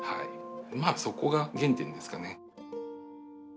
まあそこが原点ですかね。